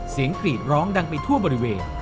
กรีดร้องดังไปทั่วบริเวณ